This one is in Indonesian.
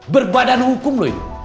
berbadan hukum loh ini